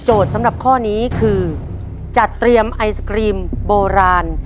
สำหรับข้อนี้คือจัดเตรียมไอศกรีมโบราณ